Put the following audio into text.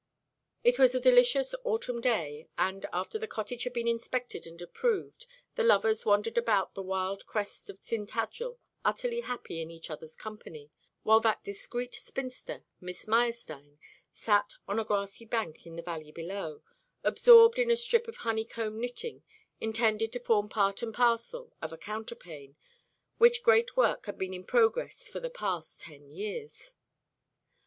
It was a delicious autumn day, and, after the cottage had been inspected and approved, the lovers wandered about the wild crest of Tintagel, utterly happy in each other's company; while that discreet spinster, Miss Meyerstein, sat on a grassy bank in the valley below, absorbed in a strip of honeycomb knitting, intended to form part and parcel of a counterpane, which great work had been in progress for the past ten years.